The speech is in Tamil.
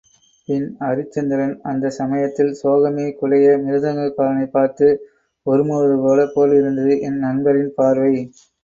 பின் அரிச்சந்திரன் அந்த சமயத்தில் சோகமே குலைய மிருதங்ககாரனைப் பார்த்து உறுமுவது போலிருந்தது என் நண்பரின் பார்வை.